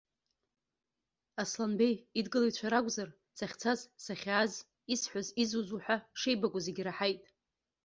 Асланбеи идгылаҩцәа ракәзар, сахьцаз, сахьааз, исҳәаз-изуз уҳәа шеибакәу зегьы раҳаит.